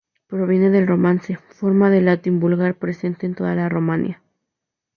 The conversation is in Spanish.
Proviene del romance, forma de latín vulgar presente en toda la Romania.